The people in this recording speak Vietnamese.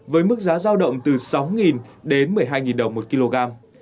với mức giá giao động từ sáu đến một mươi hai đồng một kg